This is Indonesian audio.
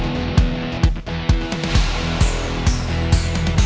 sampai kapanpun gue akan pernah jauhin putri